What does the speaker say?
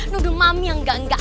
nuduh mami yang gangga